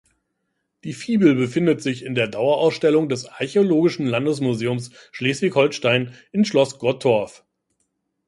Die Fibel befindet sich in der Dauerausstellung des Archäologischen Landesmuseums Schleswig-Holstein in Schloss Gottorf.